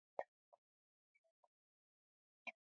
Asi fi buzuna ay kaŋga vooy hu voɗti ii sukŋga.